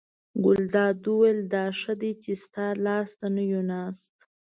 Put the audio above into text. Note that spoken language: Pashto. ګلداد وویل: دا ښه دی چې ستا لاس ته نه یو ناست.